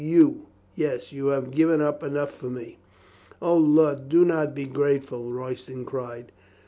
"You. Yes, you have given up enough for me." "O, lud, do not be grateful," Royston cried.